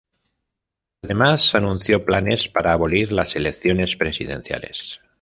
Además anunció planes para abolir las elecciones presidenciales.